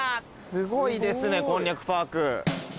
すごいですねこんにゃくパーク。